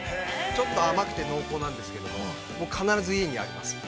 ちょっと甘くて濃厚なんですけども、必ず家にあります。